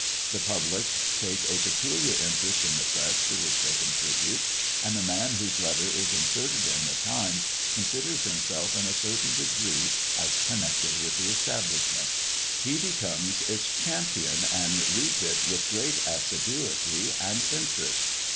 The public take a peculiar interest in the press to which they contribute, and a man whose letter is inserted in the Times considers himself in a certain degree as connected with the establishment; he becomes its champion, and reads it with great assiduity and interest.